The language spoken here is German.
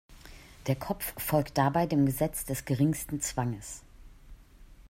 Der Kopf folgt dabei dem "Gesetz des geringsten Zwanges".